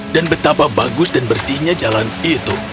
betapa bagus dan bersihnya jalan itu